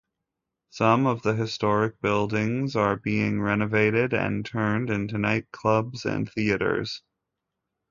Some of the historic buildings are being renovated and turned into nightclubs and theaters.